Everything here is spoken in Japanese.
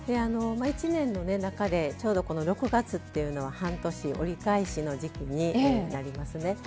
１年の中でちょうどこの６月っていうのは半年折り返しの時期になりますね。